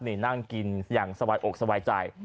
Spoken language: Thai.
นี่นั่งกินอย่างสวัสดิ์ออกสวัสดิ์ใจ